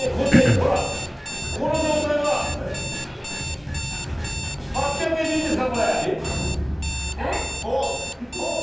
この状態は８００円でいいですか。